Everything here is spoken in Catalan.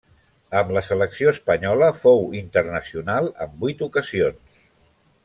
Amb la selecció espanyola fou internacional en vuit ocasions.